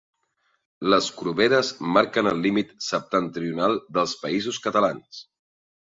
Les Corberes marquen el límit septentrional dels Països Catalans.